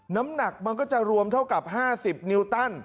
น้ำหนักมันก็จะรวมเท่ากับ๕๐นิวตัน